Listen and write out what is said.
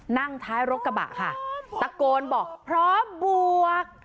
นั่งท้ายรถกระบะค่ะตะโกนบอกพร้อมบวก